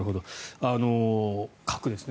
核ですね。